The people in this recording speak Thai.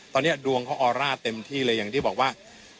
ตอนนี้ดวงเขาออร่าเต็มที่เลยอย่างที่บอกว่า